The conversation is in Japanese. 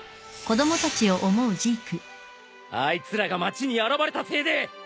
あいつらが町に現れたせいで！